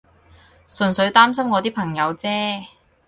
純粹擔心我啲朋友啫